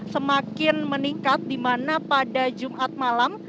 semakin meningkat dimana pada jumat malam